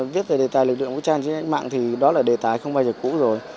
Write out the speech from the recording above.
viết về đề tài lực lượng vũ trang trên mạng thì đó là đề tài không bao giờ cũ rồi